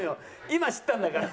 今知ったんだから。